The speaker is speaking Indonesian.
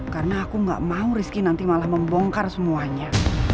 karena aku gak mau rizky nanti malah membongkar semuanya